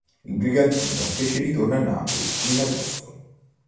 Il brigantino fece ritorno a Napoli in agosto.